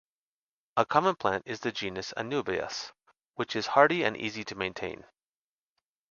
A common plant is the genus "Anubias" which is hardy and easy to maintain.